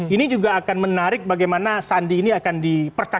ini juga akan menarik bagaimana sandi ini akan dipercaya